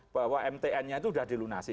bahwa mtn nya itu sudah dilunasi